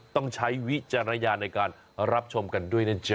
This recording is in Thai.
ต้องใช้วิจารณญาณในการรับชมกันด้วยนะจ๊